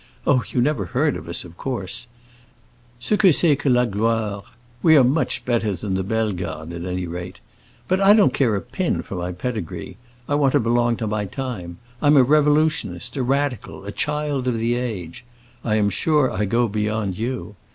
Oh, you never heard of us, of course! Ce que c'est que la gloire! We are much better than the Bellegardes, at any rate. But I don't care a pin for my pedigree; I want to belong to my time. I'm a revolutionist, a radical, a child of the age! I am sure I go beyond you.